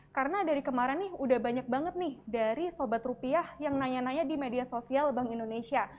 karena dari kemarin nih udah banyak banget nih dari sobat rupiah yang nanya nanya di media sosial bank indonesia